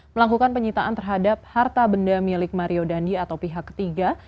melakukan penyitaan terhadap harta benda milik mario dandi atau pihak ketiga